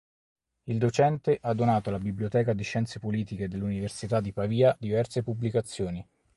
Il docente ha donato alla biblioteca di Scienze politiche dell'Università di Pavia diverse pubblicazioni.